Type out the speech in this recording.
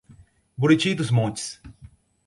Buriti dos Montes